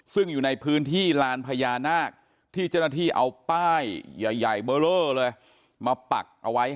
ซึ่งอยู่ในพื้นที่ลานพญานาคที่เจ้าหน้าที่เอาป้ายใหญ่มาปักเอาไว้